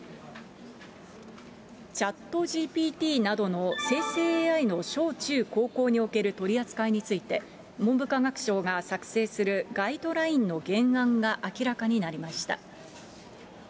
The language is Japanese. チャットＧＰＴなどの生成ＡＩの小中高校における取り扱いについて、文部科学省が作成するガイドラインの原案が明らかになりました。